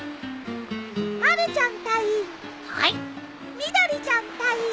みどりちゃん隊員。